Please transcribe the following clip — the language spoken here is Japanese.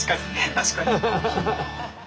確かに。